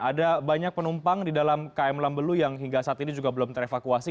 ada banyak penumpang di dalam km lambelu yang hingga saat ini juga belum terevakuasi